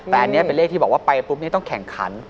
แต่อันนี้เป็นเลขที่บอกว่าไปปุ๊บนี่ต้องแข่งขัน